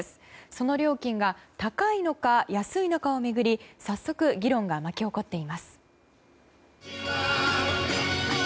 その料金が高いのか安いのかを巡り早速、議論が巻き起こっています。